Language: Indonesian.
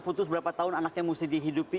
putus berapa tahun anaknya mesti dihidupi